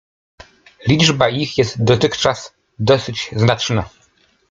Liczba ich jest dotychczas dosyć znaczna.